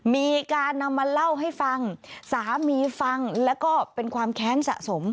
มีการนำมาเล่าให้ฟังสามีฟังแล้วก็เป็นความแค้นสะสม